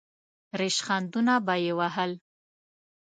ریشخندونه به یې وهل.